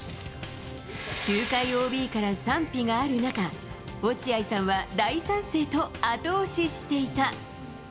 球界ＯＢから賛否がある中、落合さんは大賛成と後押ししていた。